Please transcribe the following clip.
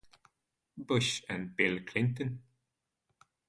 Bush and Bill Clinton.